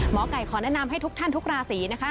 หมอไก่ขอแนะนำให้ทุกท่านทุกราศีนะคะ